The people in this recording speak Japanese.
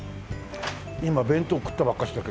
今弁当食ったばっかしだけどいけるわ。